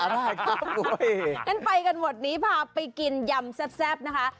งั้นไปกันหมดนี้พาไปกินยำแซ่บนะคะ